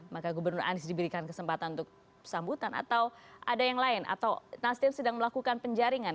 maka gubernur anies diberikan kesempatan untuk sambutan atau ada yang lain atau nasdem sedang melakukan penjaringan